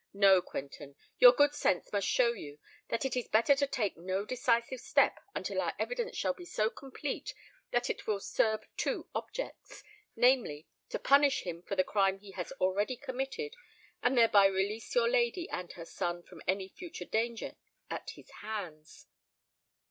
No, Quentin: your good sense must show you that it is better to take no decisive step until our evidence shall be so complete that it will serve two objects—namely, to punish him for the crime he has already committed, and thereby release your lady and her son from any future danger at his hands."